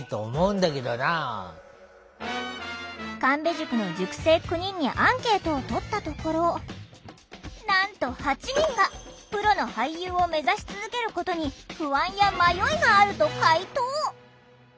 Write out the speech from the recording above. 神戸塾の塾生９人にアンケートをとったところなんと８人が「プロの俳優を目指し続けることに不安や迷いがある」と回答。